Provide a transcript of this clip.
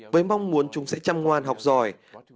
với mong muốn chúng sẽ chăm ngoan học giỏi